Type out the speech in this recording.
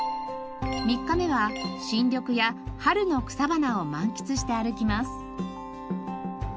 ３日目は新緑や春の草花を満喫して歩きます。